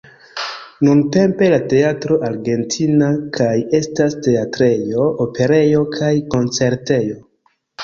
Nuntempe la Teatro Argentina kaj estas teatrejo, operejo kaj koncertejo.